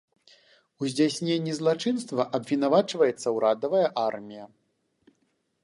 У здзяйсненні злачынства абвінавачваецца урадавая армія.